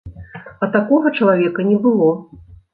А такога чалавека не было.